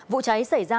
vụ cháy xảy ra